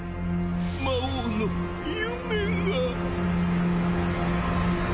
魔王の夢が。